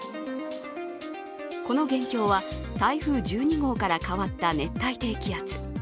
この元凶は、台風１２号から変わった熱帯低気圧。